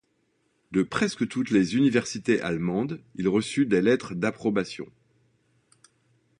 De presque toutes les universités allemandes il reçut des lettres d'approbation.